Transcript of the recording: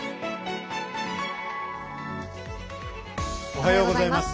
おはようございます。